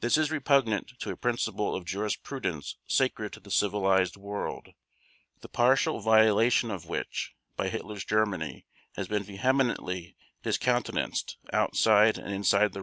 This is repugnant to a principle of jurisprudence sacred to the civilized world, the partial violation of which by Hitler's Germany has been vehemently discountenanced outside and inside the Reich.